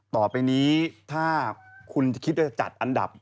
ต่อไปนี้ถ้าคุณจะคิดว่าจะจัดอันดับ